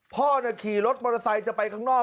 พ่อขี่รถมอเตอร์ไซค์จะไปข้างนอก